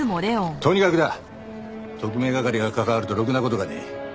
とにかくだ特命係が関わるとろくな事がねえ。